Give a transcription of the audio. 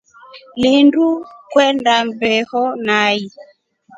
Lindu kwenda mbeo nai.